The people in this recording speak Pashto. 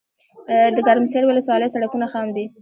دګرمسیر ولسوالۍ سړکونه خام دي